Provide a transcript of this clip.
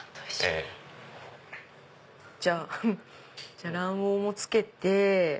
じゃあ卵黄もつけて。